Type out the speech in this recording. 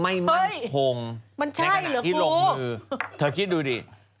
มันใช่เหรอครูมันใช่เหรอครูในขณะที่ลงมือเธอคิดดูดิ